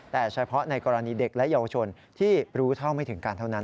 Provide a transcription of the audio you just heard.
แต่เฉพาะในกรณีเด็กและเยาวชนที่รู้เท่าไม่ถึงการเท่านั้น